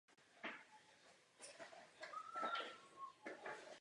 Dvanáctý list je přímým odkazem na eucharistii.